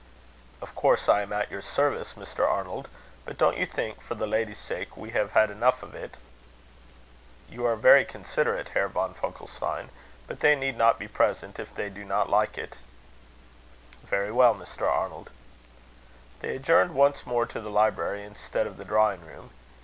"Of course I am at your service, Mr. Arnold; but don't you think, for the ladies' sakes, we have had enough of it?" "You are very considerate, Herr von Funkelstein; but they need not be present if they do not like it." "Very well, Mr. Arnold." They adjourned once more to the library instead of the drawing room.